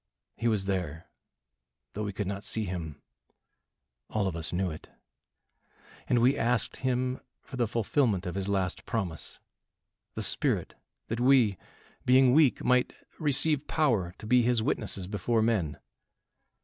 He was there, though we could not see him. All of us knew it; and we asked him for the fulfilment of his last promise the Spirit, that we being weak, might receive power to be his witnesses before men.